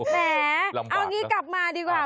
แหมเอางี้กลับมาดีกว่า